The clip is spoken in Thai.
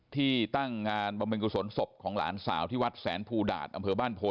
ที่ตั้งงานบำเพ็ญกุศลศพของหลานสาวที่วัดแสนภูดาตอำเภอบ้านโพ